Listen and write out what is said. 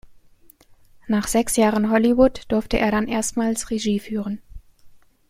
Nach sechs Jahren Hollywood durfte er dann erstmals Regie führen.